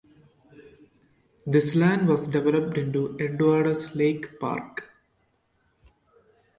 This land was developed into Edwardes Lake Park.